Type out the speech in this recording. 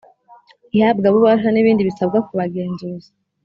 Ihabwabubasha n ibindi bisabwa ku bagenzuzi